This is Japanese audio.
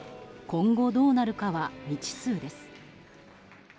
今後どうなるかは未知数です。